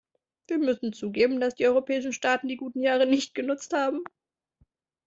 Wir müssen zugeben, dass die europäischen Staaten die guten Jahre nicht genutzt haben.